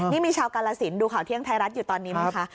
นี่มีชาวกาลสินดูข่าวเที่ยงไทยรัฐอยู่ตอนนี้ไหมคะ